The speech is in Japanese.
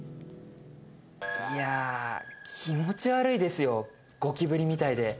いやー、気持ち悪いですよ、ゴキブリみたいで。